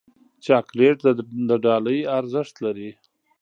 چاکلېټ د ډالۍ ارزښت لري.